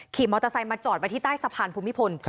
ขี่มอเตอร์ไซค์มาจอดไว้ที่ใต้สะพานภูมิพล